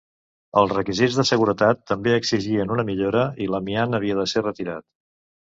Els requisits de seguretat també exigien una millora i l'amiant havia de ser retirat.